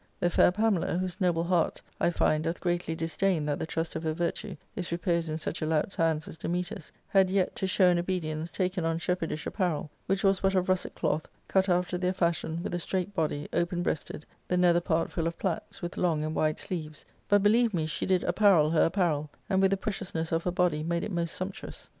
The fair Pamela, whose noble heart, I find, doth greatly disdain that the trust of her virtue is reposed in such a lout's hands as Dametas', had yet, to show an obedience, taken on shep > herdish apparel, which was but of russet cloth) cut after their fashion, with a straight body, open breasted, the nether part full of plaits, with long and wide sleeves ; but, believe me, she did apparel her apparel, and with the preciousness of her body made it most sumptuous.